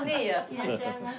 いらっしゃいませ。